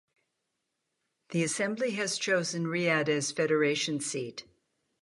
The assembly has chosen Riyadh as federation seat.